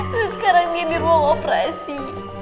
lu sekarang nih di ruang operasi